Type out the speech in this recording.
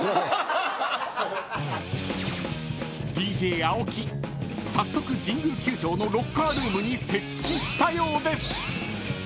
［ＤＪ青木早速神宮球場のロッカールームに設置したようです］